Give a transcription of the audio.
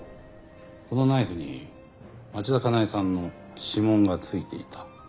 このナイフに町田加奈江さんの指紋が付いていた？